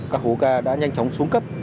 các hố ga đã nhanh chóng xuống cấp